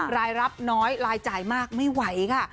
รายรับน้อยรายจ่ายมากไม่ไหวค่ะ